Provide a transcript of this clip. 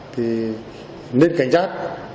thì nên cảnh giác